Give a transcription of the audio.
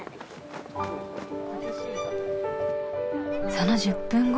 その１０分後。